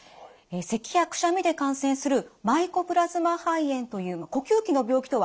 せきやくしゃみで感染するマイコプラズマ肺炎という呼吸器の病気とは異なる性感染症です。